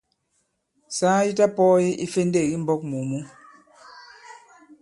Saa yi ta-pɔ̄ɔye ifendêk i mbɔ̄k mù mǔ.